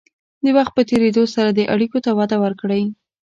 د وخت په تېرېدو سره دې اړیکو ته وده ورکړئ.